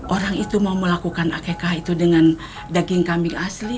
orang itu mau melakukan akekah itu dengan daging kambing asli